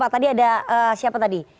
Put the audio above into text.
tadi ada siapa tadi